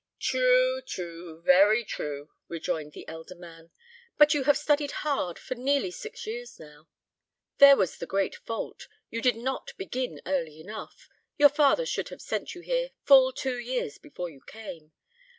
"True, true, very true!" rejoined the elder man; "but you have studied hard for nearly six years now. There was the great fault. You did not begin early enough; your father should have sent you here full two years before you came.